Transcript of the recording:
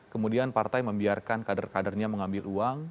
kemudian partai membiarkan kader kadernya mengambil uang